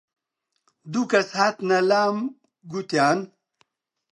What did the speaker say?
دوو کەس هاتنە لام گوتیان: